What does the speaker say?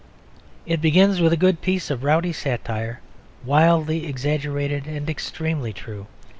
It begins with a good piece of rowdy satire, wildly exaggerated and extremely true.